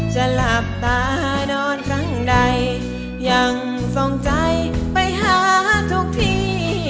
หลับตานอนครั้งใดยังทรงใจไปหาทุกที